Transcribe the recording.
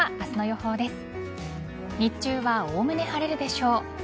日中はおおむね晴れるでしょう。